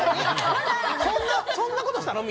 そんなことしたの？